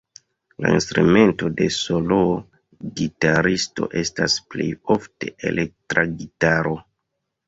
La instrumento de soloo-gitaristo estas plejofte elektra gitaro.